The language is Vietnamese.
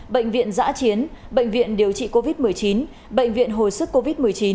bệnh viện giã chiến bệnh viện điều trị covid một mươi chín bệnh viện hồi sức covid một mươi chín